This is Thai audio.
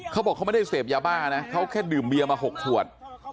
เขาบอกเขาไม่ได้เสพยาบ้านะเขาแค่ดื่มเบียมา๖ขวด